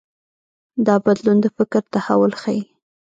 دا بدلون د فکر تحول ښيي.